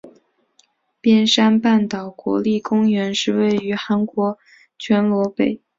边山半岛国立公园是位于韩国全罗北道扶安郡的海岸型国立公园。